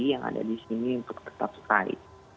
yang ada di sini untuk tetap sekali